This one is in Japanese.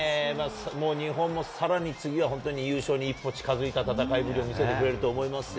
もう日本もさらに、次は本当に、優勝に一歩近づいた戦いぶりを見せてくれると思いますよ。